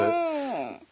うん。